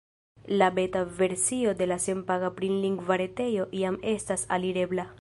La beta versio de la senpaga prilingva retejo jam estas alirebla.